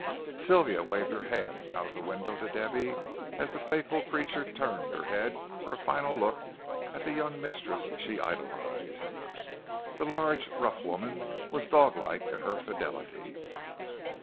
Sylvia waved her hand out of the window to Debby, as that faithful creature turned her head for a final look at the young mistress she idolized. The large, rough woman was dog like in her fidelity.